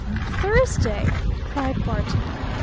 "THURSDAY?" cried Barton.